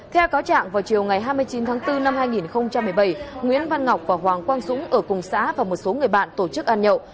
theo cáo trạng vào chiều ngày hai mươi chín tháng bốn năm hai nghìn một mươi bảy nguyễn văn ngọc và hoàng quang dũng ở cùng xã và một số người bạn tổ chức ăn nhậu